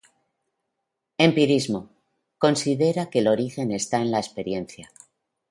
Empirismo: Considera que el origen está en la experiencia.